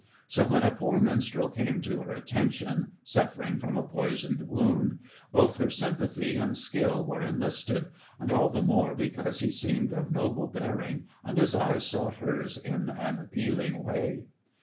So when a poor minstrel came to her attention, suffering from a poisoned wound, both her sympathy and skill were enlisted, and all the more because he seemed of noble bearing, and his eyes sought hers in an appealing way.